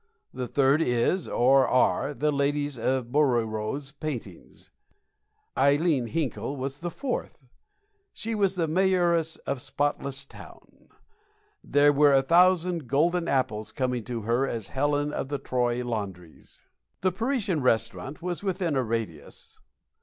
The third is, or are, the ladies in Bouguereau's paintings. Ileen Hinkle was the fourth. She was the mayoress of Spotless Town. There were a thousand golden apples coming to her as Helen of the Troy laundries. The Parisian Restaurant was within a radius.